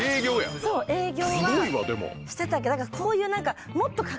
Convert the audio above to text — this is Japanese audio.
そう営業はしてたけどこういう。